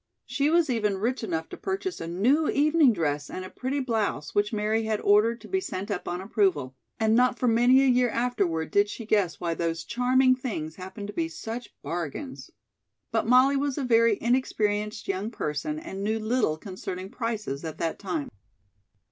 She was even rich enough to purchase a new evening dress and a pretty blouse which Mary had ordered to be sent up on approval, and not for many a year afterward did she guess why those charming things happened to be such bargains. But Molly was a very inexperienced young person, and knew little concerning prices at that time.